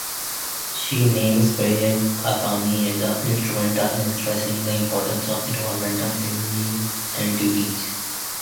She names President Khatami as instrumental in stressing the importance of environmental initiatives.